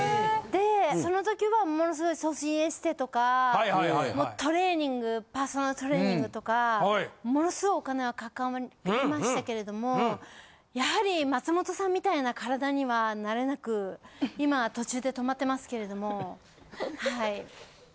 ・でその時はものすごい痩身エステとかもうトレーニングパーソナルトレーニングとかものすごいお金はかけましたけれどもやはり松本さんみたいな体にはなれなく今途中で止まってますけれども。